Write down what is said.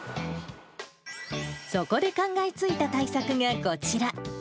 そこで考えついた対策がこちら。